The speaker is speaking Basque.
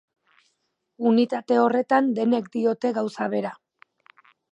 Unitate horretan denek diote gauza bera.